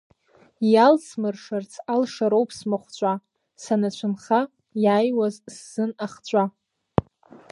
Иалсмыршац алшароуп смахәҿа, санацәынха, иааиуаз сзын ахҿа.